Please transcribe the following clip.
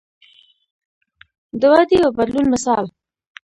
د ودې او بدلون مثال.